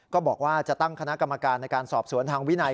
ก็บอกว่าจะตั้งคณะกรรมการในการสอบสวนทางวินัย